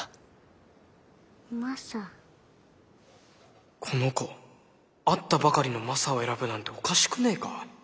心の声この子会ったばかりのマサを選ぶなんておかしくねえか。